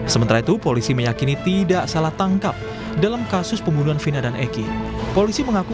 sementara itu polisi meyakini tidak salah tangkap dalam kasus pembunuhan vina dan eki polisi mengaku